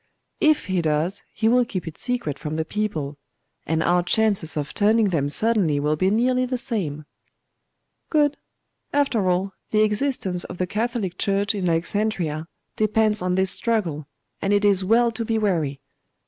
'If he does, he will keep it secret from the people; and our chances of turning them suddenly will be nearly the same.' 'Good. After all, the existence of the Catholic Church in Alexandria depends on this struggle, and it is well to be wary.